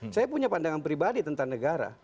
saya punya pandangan pribadi tentang negara